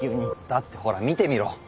だってほら見てみろ。